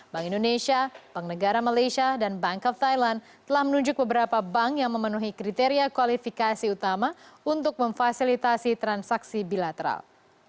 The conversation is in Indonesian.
bank indonesia bank negara malaysia dan bank of thailand telah menunjuk beberapa bank yang memenuhi kriteria kualifikasi utama untuk memfasilitasi transaksi bilateral